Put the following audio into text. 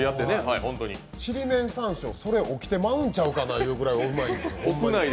ちりめん山椒、それ起きてまうんちゃうかなと思うくらいうまい。